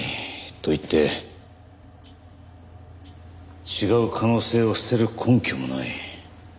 といって違う可能性を捨てる根拠もない。